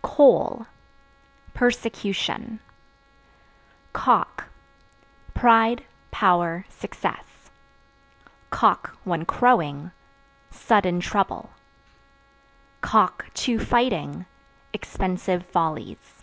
Coal Persecution. Cock Pride, power, success; (one crowing) sudden trouble; (two fighting) expensive follies.